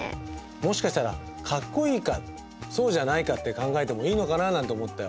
もしかしたらかっこいいかそうじゃないかって考えてもいいのかななんて思ったよ。